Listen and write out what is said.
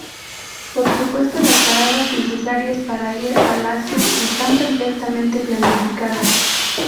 Por supuesto, las paradas necesarias para ir al aseo están perfectamente planificadas.